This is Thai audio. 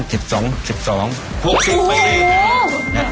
พวก๑๐ไปเลย